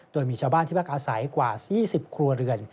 โดยมีชาวบ้านที่พักอาศัยกว่า๒๐ครัวเรือน